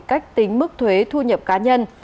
cách tính mức thuế thu nhập cá nhân